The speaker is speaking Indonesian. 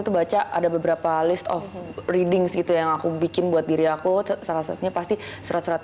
tuh baca ada beberapa list of reading gitu yang aku bikin buat diri aku salah satunya pasti surat surat